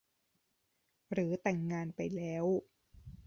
หรือแต่งงานไปแล้ว